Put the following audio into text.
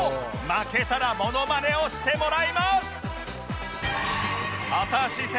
負けたらモノマネをしてもらいます！